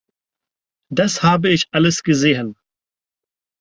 Das habe ich alles gesehen!